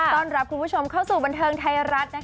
ต้อนรับคุณผู้ชมเข้าสู่บันเทิงไทยรัฐ